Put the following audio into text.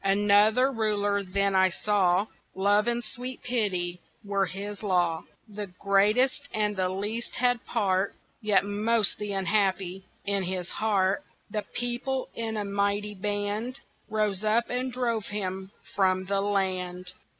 Another Ruler then I saw Love and sweet Pity were his law: The greatest and the least had part (Yet most the unhappy) in his heart The People, in a mighty band, Rose up, and drove him from the land!